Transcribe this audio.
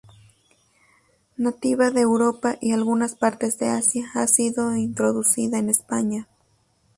Nativa de Europa y algunas partes de Asia, ha sido introducida en España.